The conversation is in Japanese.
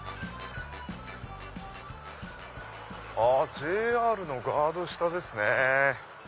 ＪＲのガード下ですね。